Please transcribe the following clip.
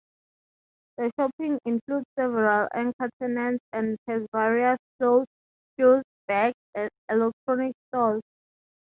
The shopping include several anchor tenants and has various clothes, shoes, bags, electronic stores.